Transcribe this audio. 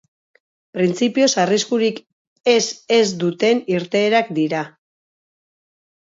Printzipioz arriskurik ez ez duten irteerak dira.